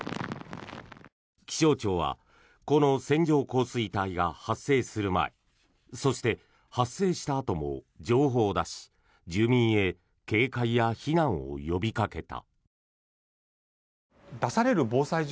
気象庁はこの線状降水帯が発生する前そして、発生したあとも情報を出し住民へ警戒や避難を呼びかけた。